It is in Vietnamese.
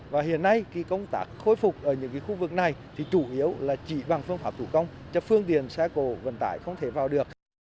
và hiện nay công tác khôi phục ở những khu vực này thì chủ yếu là chỉ bằng phương pháp thủ công cho phương tiện xe cổ vận tải không thể vào được